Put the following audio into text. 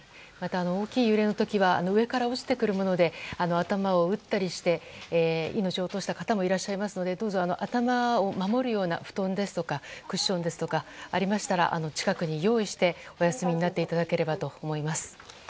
また、大きい揺れの時は上から落ちてくるもので頭を打ったりして命を落とした方もいらっしゃいますのでどうぞ頭を守るような布団ですとかクッションですとかありましたら近くに用意してお休みになっていただければと思います。